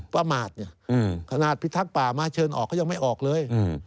ประมาทเนี่ยขนาดพิทักษ์ป่ามาเชิญออกก็ยังไม่ออกเลย